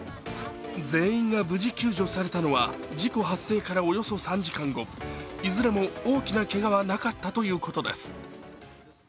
全員が無事救助されたのは事故発生からおよそ３時間後、いずれも大きなけがはなかったということです。